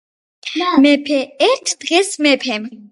მეფე. ერთ დღეს მეფემ